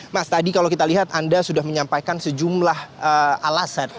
mas tadi kalau kita lihat anda sudah menyampaikan sejumlah alasan